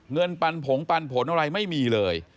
ปันผงปันผลอะไรไม่มีเลย